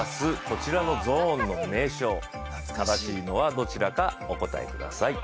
こちらのゾーンの名称正しいのはどちらかお答えください